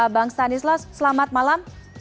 bang stanislaus selamat malam